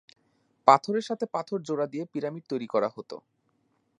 পাথরের সাথে পাথর জোড়া দিয়ে পিরামিড তৈরি করা হত।